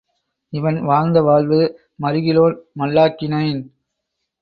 இவன் வாழ்ந்த வாழ்வு மறுகிலேன் மல்லாக்கினேன்.